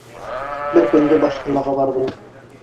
Бер көндө баш ҡалаға барҙым.